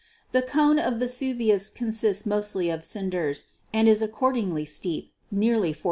The cone of Vesuvius consists mostly of cinders, and is accordingly steep, nearly 40 .